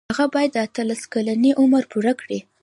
هغه باید د اتلس کلنۍ عمر پوره کړي.